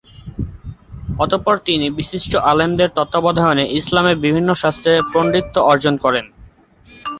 অতঃপর তিনি বিশিষ্ট আলেমদের তত্ত্বাবধানে ইসলামের বিভিন্ন শাস্ত্রে পাণ্ডিত্য অর্জন করেন।